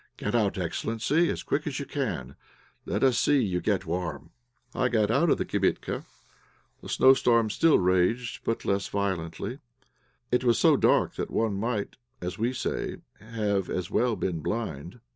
Get out, excellency, as quick as you can, and let us see you get warm." I got out of the kibitka. The snowstorm still raged, but less violently. It was so dark that one might, as we say, have as well been blind.